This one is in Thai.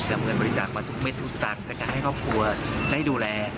นำเงินบริจาคมาทุกเม็ดทุกสตางค์ในการให้ครอบครัวได้ดูแล